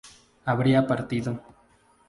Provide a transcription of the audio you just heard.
habría partido